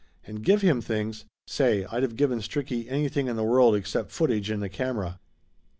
And give him things ? Say, I'd of given Stricky anything in the world except footage in the camera!